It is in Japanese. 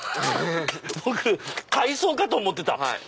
僕海藻かと思ってた。